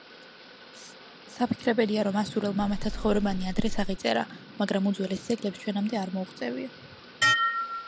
საფიქრებელია, რომ ასურელ მამათა ცხოვრებანი ადრეც აღიწერა, მაგრამ უძველეს ძეგლებს ჩვენამდე არ მოუღწევია.